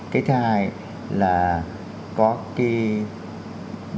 cái thứ hai là có cái biểu hiện